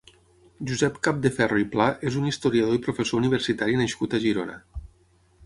Josep Capdeferro i Pla és un historiador i professor universitari nascut a Girona.